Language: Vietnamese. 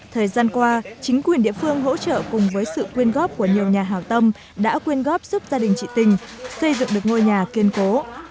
thời gian qua chính quyền địa phương hỗ trợ cùng với sự quyên góp của nhiều nhà hào tâm đã quyên góp giúp gia đình chị tình xây dựng được ngôi nhà kiên cố